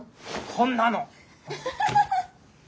こんなの。